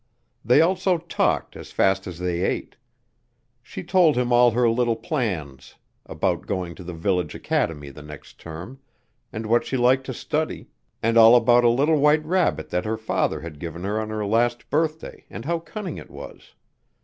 They also talked as fast as they ate. She told him all her little plans about going to the village academy the next term, and what she liked to study, and all about a little white rabbit that her father had given her on her last birthday and how cunning it was.